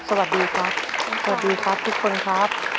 สวัสดีครับสวัสดีครับทุกคนครับ